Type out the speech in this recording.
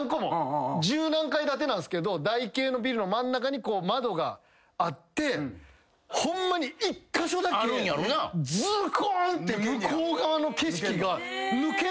十何階建てなんすけど台形のビルの真ん中にこう窓があってホンマに１カ所だけズコーンって向こう側の景色が抜けるんすよ。